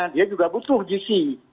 dia juga butuh c breaking point